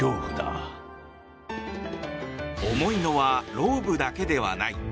重いのはロープだけではない。